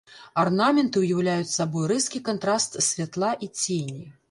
Арнаменты ўяўляюць сабою рэзкі кантраст святла і цені.